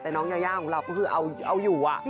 แต่น้องยาของเราคือเอาอยู่อ่ะ